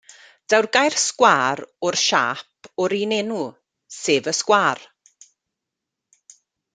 Daw'r gair sgwâr o'r siâp o'r un enw, sef y sgwâr.